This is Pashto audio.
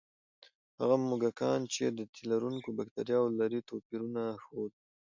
هغه موږکان چې د تیلرونکي بکتریاوې لري، توپیر ونه ښود.